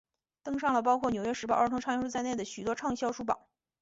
登上了包括纽约时报儿童畅销书在内的许多畅销书榜。